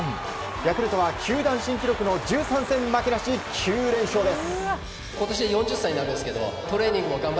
ヤクルトは球団新記録の１３戦負けなし９連勝です。